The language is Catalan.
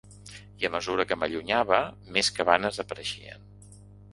I a mesura que m’allunyava, més cabanes apareixien.